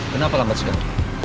kenapa lambat sekali